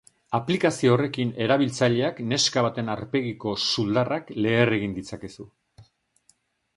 Aplikazio horrekin erabiltzaileak neska baten arpegiko suldarrak leher egin ditzakezu.